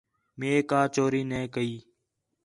مئے کا چوری نَے کئی